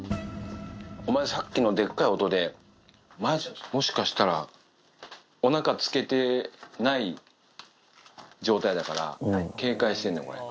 お前、さっきのでかい音でお前、もしかしたら、おなかつけてない状態だから、警戒してんねん、これ。